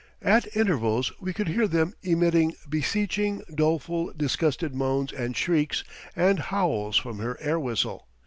At intervals we could hear them emitting beseeching, doleful, disgusted moans and shrieks and howls from her air whistle.